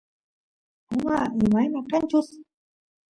puma imayna kanchus